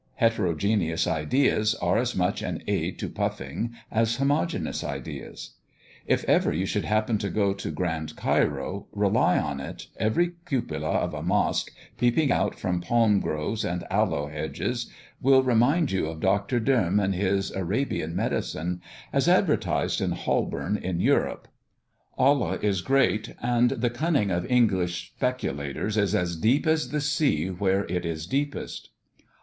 Heterogeneous ideas are as much an aid to puffing as homogeneous ideas. If ever you should happen to go to Grand Cairo, rely on it, every cupola of a mosque, peeping out from palm groves and aloe hedges, will remind you of Dr. Doem and his Arabian medicine, as advertised in Holborn in Europe. Allah is great, and the cunning of English speculators is as deep as the sea where it is deepest.